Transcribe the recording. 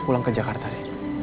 pulang ke jakarta deh